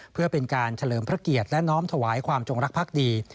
เพื่อเป็นการเฉลิมพระเกียรติและน้อมถวายความจงรักภักดี